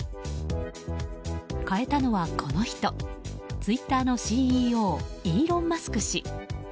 変えたのは、この人ツイッターのＣＥＯイーロン・マスク氏。